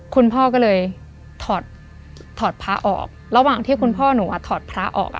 คุณพ่อก็เลยถอดถอดพระออกระหว่างที่คุณพ่อหนูอ่ะถอดพระออก